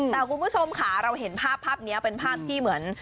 แต่คุณผู้ชมค่ะเราเห็นภาพภาพนี้เป็นภาพที่เหมือน